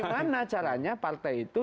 gimana caranya partai itu